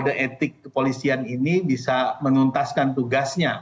dan etik kepolisian ini bisa menuntaskan tugasnya